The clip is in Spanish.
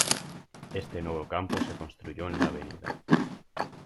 Este nuevo campo se construyó en la Av.